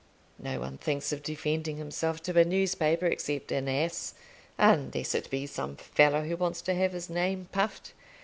No one thinks of defending himself to a newspaper except an ass; unless it be some fellow who wants to have his name puffed.